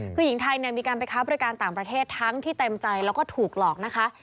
คือหญิงไทยมีการไปค้าบริการต่างประเทศทั้งที่เต็มใจแล้วก็ถูกหลอกนะคะ